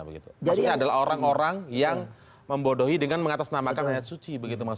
maksudnya adalah orang orang yang membodohi dengan mengatasnamakan ayat suci